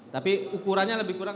tapi ukurannya lebih kurang